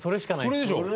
それでしょう。